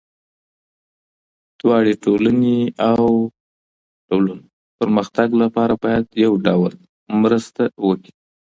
دواړه ټولني او ډلونه د پرمختګ لپاره باید یو بل سره مرسته وکړي.